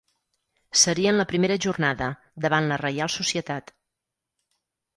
Seria en la primera jornada, davant la Reial Societat.